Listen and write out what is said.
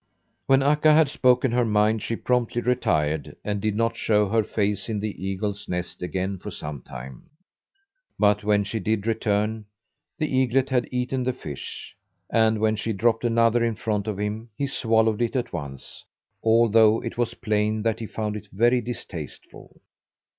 When Akka had spoken her mind she promptly retired, and did not show her face in the eagles' nest again for some time. But when she did return, the eaglet had eaten the fish, and when she dropped another in front of him he swallowed it at once, although it was plain that he found it very distasteful.